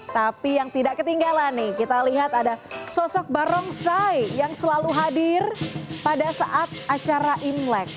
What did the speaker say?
tapi yang tidak ketinggalan nih kita lihat ada sosok barongsai yang selalu hadir pada saat acara imlek